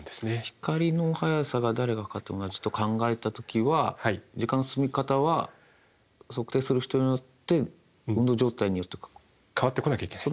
光の速さが誰が測っても同じと考えた時は時間の進み方は測定する人によって運動状態によって。変わってこなきゃいけない。